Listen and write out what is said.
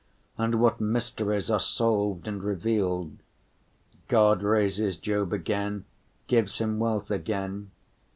And what mysteries are solved and revealed! God raises Job again, gives him wealth again.